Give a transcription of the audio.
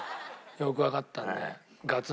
よくわかったんで。